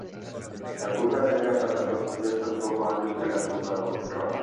La curva negra pasa por su cresta un poco antes que la curva roja.